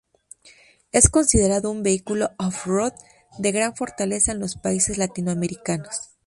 Es considerado un vehículo off-road de gran fortaleza en los países latinoamericanos.